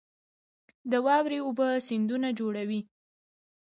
د واورې اوبه سیندونه جوړوي